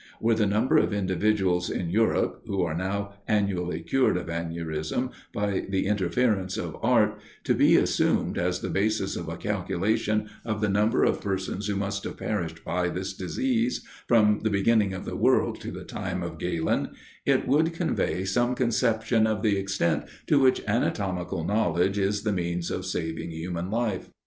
Were the number of individuals in Europe, who are now annually cured of aneurism, by the interference of art, to be assumed as the basis of a calculation of the number of persons who must have perished by this disease, from the beginning of the world to the time of Galen, it would convey some conception of the extent to which anatomical knowledge is the means of saving human life.